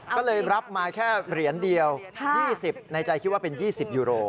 ก็เลยรับมาแค่เหรียญเดียว๒๐ในใจคิดว่าเป็น๒๐ยูโร